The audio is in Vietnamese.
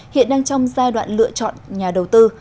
hiện đang trong giai đoạn lựa chọn nhà đầu tư